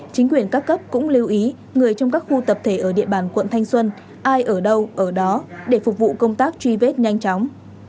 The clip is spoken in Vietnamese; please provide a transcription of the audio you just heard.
chính quyền các cấp cũng lưu ý người trong các khu tập thể ở địa bàn quận thanh xuân ai ở đâu ở đó để phục vụ công tác truy vết nhanh chóng